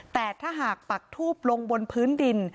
แต่ถ้าหากปักทูบลงบนพื้นดิน